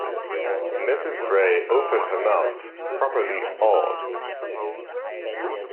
Mrs. Gray opened her mouth, properly awed.